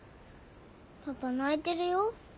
パパ泣いてるよ。